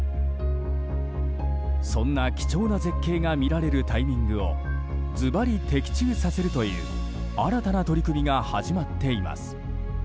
そんな貴重な絶景が見られるタイミングをズバリ的中させるという新たな取り組みが始まっています。